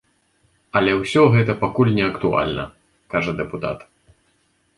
Але ўсё гэта пакуль не актуальна, кажа дэпутат.